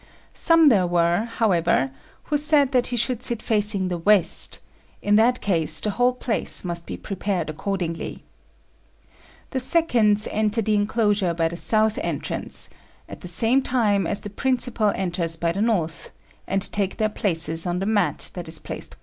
Some there were, however, who said that he should sit facing the west: in that case the whole place must be prepared accordingly. The seconds enter the enclosure by the south entrance, at the same time as the principal enters by the north, and take their places on the mat that is placed crosswise.